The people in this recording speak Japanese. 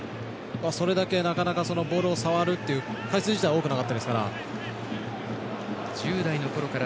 それだけなかなかボールを触るという回数自体が多くなかったですから。